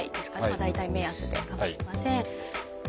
大体目安でかまいません。